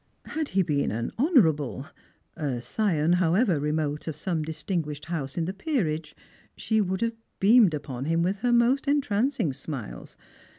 Had he been an " Honourable," a scion, however remote, of aome dis tinguished house in the peerage, she would have beamed upon him with her most entrancing smiles.